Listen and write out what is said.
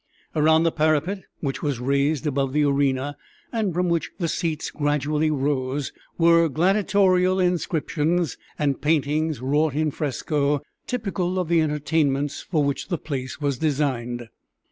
Around the parapet which was raised above the arena, and from which the seats gradually rose, were gladiatorial inscriptions, and paintings wrought in fresco, typical of the entertainments for which the place was designed.